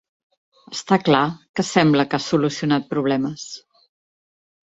Està clar que sembla que has solucionat problemes.